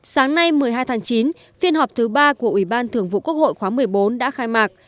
sáng nay một mươi hai tháng chín phiên họp thứ ba của ủy ban thường vụ quốc hội khóa một mươi bốn đã khai mạc